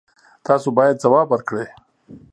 تاسو باید ځواب ورکړئ.